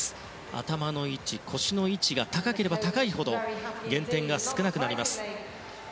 頭の位置、腰の位置が高ければ高いほど減点が少なくなります。